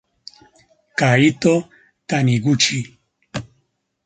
Kaito Taniguchi